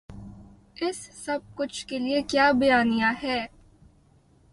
اس سب کچھ کے لیے کیا بیانیہ ہے۔